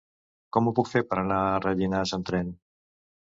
Com ho puc fer per anar a Rellinars amb tren?